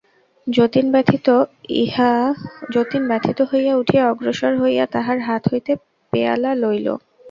যতীন ব্যথিত হইয়া উঠিয়া অগ্রসর হইয়া তাহার হাত হইতে পেয়ালা লইল।